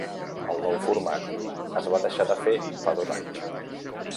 El nou format es va deixar de fer fa dos anys.